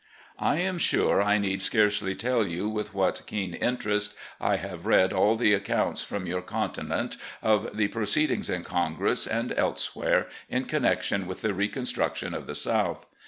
"I am sure I need scarcely tell you with what keen interest I have read all the accounts from your continent of the proceedings in Congress and elsewhere in connec tion with the reconstruction of the South.